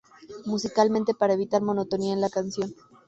Musicalmente para evitar monotonía en la canción.